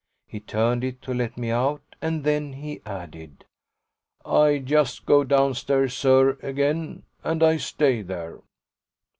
He turned it to let me out and then he added: "I just go downstairs, sir, again, and I stay there."